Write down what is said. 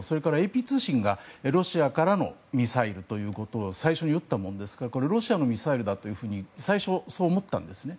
ＡＰ通信がロシアからのミサイルということを最初にいったものですからロシアからのミサイルだと最初は思ったんですね。